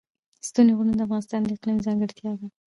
ستوني غرونه د افغانستان د اقلیم ځانګړتیا ده.